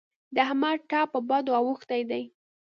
د احمد ټپ په بدو اوښتی دی.